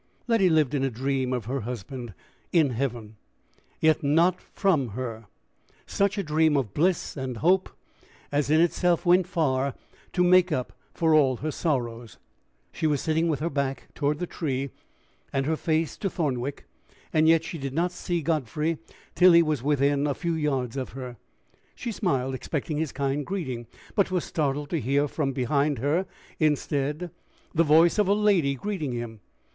Letty lived in a dream of her husband in heaven, "yet not from her" such a dream of bliss and hope as in itself went far to make up for all her sorrows. She was sitting with her back toward the tree and her face to Thornwick, and yet she did not see Godfrey till he was within a few yards of her. She smiled, expecting his kind greeting, but was startled to hear from behind her instead the voice of a lady greeting him.